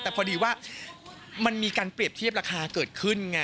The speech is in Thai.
แต่พอดีว่ามันมีการเปรียบเทียบราคาเกิดขึ้นไง